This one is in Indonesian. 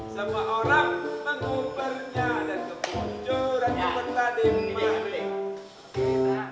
semua orang menguburnya dan kebuncuran di peta demi